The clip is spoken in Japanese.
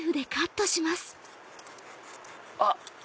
あっ！